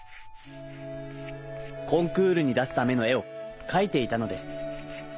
コンクールにだすためのえをかいていたのです。